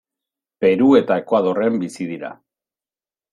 Peru eta Ekuadorren bizi dira.